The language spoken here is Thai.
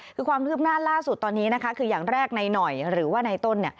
คือความคืบหน้าล่าสุดตอนนี้นะคะคืออย่างแรกในหน่อยหรือว่าในต้น